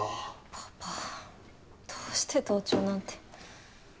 パパどうして盗聴なんて。